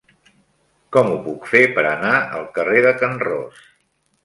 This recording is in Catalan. Com ho puc fer per anar al carrer de Can Ros?